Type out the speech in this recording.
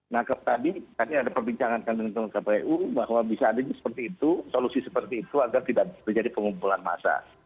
nah tadi ada perbincangan dengan kpu bahwa bisa ada solusi seperti itu agar tidak menjadi pengumpulan masa